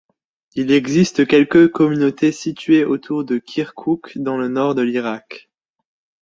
Il existe quelques communautés situées autour de Kirkouk dans le Nord de l'Irak.